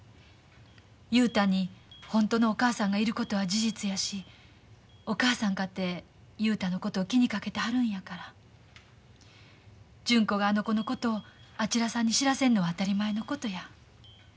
雄太に本当のお母さんがいることは事実やしお母さんかて雄太のことを気にかけてはるんやから純子があの子のことをあちらさんに知らせんのは当たり前のことや。